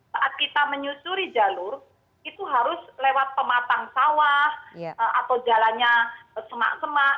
saat kita menyusuri jalur itu harus lewat pematang sawah atau jalannya semak semak